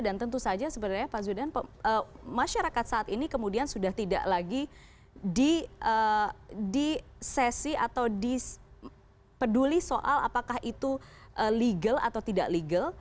dan tentu saja sebenarnya pak zulidan masyarakat saat ini kemudian sudah tidak lagi disesi atau dipeduli soal apakah itu legal atau tidak legal